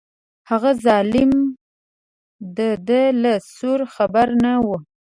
هغه ظالم د ده له سوره خبر نه و.